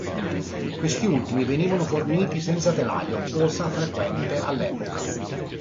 Questi ultimi venivano forniti senza telaio, cosa frequente all'epoca.